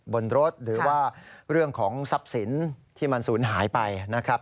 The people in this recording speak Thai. บนรถหรือว่าเรื่องของทรัพย์สินที่มันสูญหายไปนะครับ